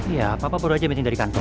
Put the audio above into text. ya papa baru aja mending dari kantor